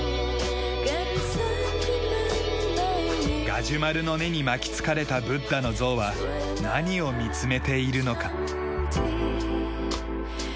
ガジュマルの根に巻き付かれたブッダの像は何を見つめているのか。